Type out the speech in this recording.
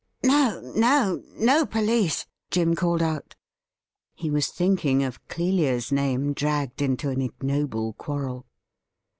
' No, no, no police !' Jim called out. He was thinking of Clelia's name dragged into an ignoble quarrel.